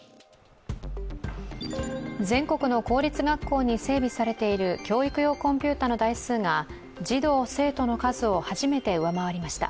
全国の公立学校に整備されている教育用コンピューターの台数が児童・生徒の数を初めて上回りました。